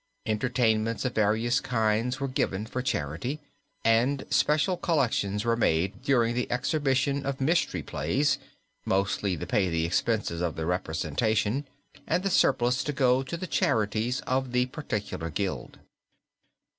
Entertainments of various kinds were given for charity, and special collections were made during the exhibition of mystery plays partly to pay the expenses of the representation, and the surplus to go to the charities of the particular gild.